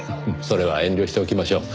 それは遠慮しておきましょう。